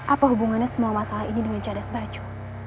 apa hubungannya semua masalah ini dengan cadas baju